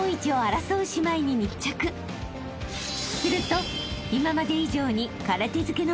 ［すると］